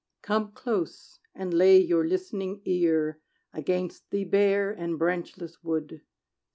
"Come close, and lay your listening ear Against the bare and branchless wood.